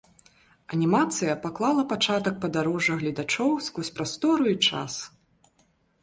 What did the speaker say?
Анімацыя паклала пачатак падарожжа гледачоў скрозь прастору і час.